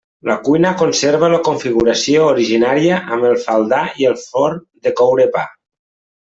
La cuina conserva la configuració originària amb el faldar i el forn de coure pa.